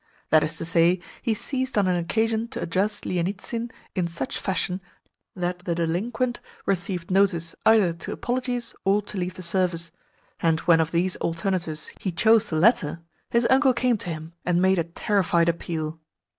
That is to say, he seized on an occasion to address Lienitsin in such fashion that the delinquent received notice either to apologise or to leave the Service; and when of these alternatives he chose the latter his uncle came to him, and made a terrified appeal.